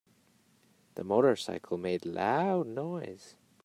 The motorcycle made loud noise.